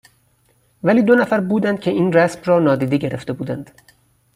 ولی دو نفر بودند که این رسم را نادیده گرفته بودند.